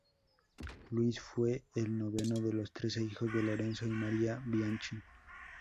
Luis fue el noveno de los trece hijos de Lorenzo y María Bianchi.